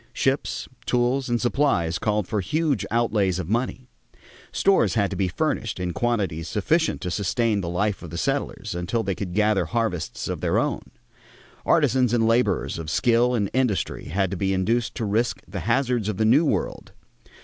Ships, tools, and supplies called for huge outlays of money. Stores had to be furnished in quantities sufficient to sustain the life of the settlers until they could gather harvests of their own. Artisans and laborers of skill and industry had to be induced to risk the hazards of the new world.